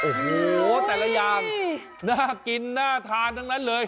โอ้โหแต่ละอย่างน่ากินน่าทานทั้งนั้นเลย